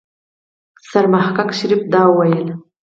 سرمحقق شريف دا وويل.